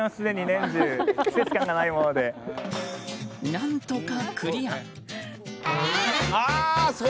何とかクリア。